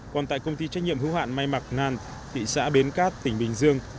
còn tại công ty trách nhiệm hữu hạn may mặc ngan thị xã bến cát tỉnh bình dương